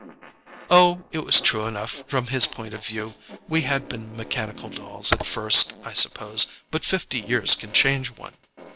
Oh, it was true enough, from his point of view. We had been mechanical dolls at first, I suppose, but fifty years can change one.